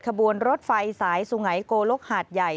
ระเบิดขบวนรถไฟสายสูงไหงโกลกหาดใหญ่